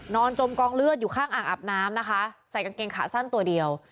จมกองเลือดอยู่ข้างอ่างอาบน้ำนะคะใส่กางเกงขาสั้นตัวเดียว